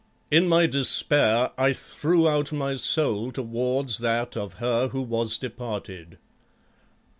In my despair I threw out my soul towards that of her who was departed.